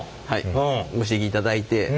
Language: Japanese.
はいご指摘いただいて。